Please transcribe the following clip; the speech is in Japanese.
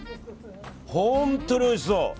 本当においしそう。